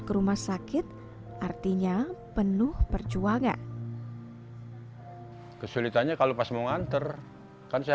ke rumah sakit artinya penuh perjuangan kesulitannya kalau pas mau nganter kan saya